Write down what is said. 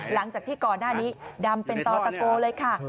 หลังจากที่ก่อนหน้านี้ดำเป็นต่อตะโกเลยค่ะ